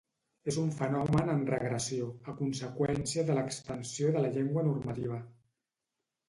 És un fenomen en regressió, a conseqüència de l'expansió de la llengua normativa.